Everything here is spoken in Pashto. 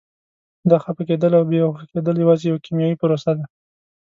دا خفه کېدل او بې هوښه کېدل یوازې یوه کیمیاوي پروسه ده.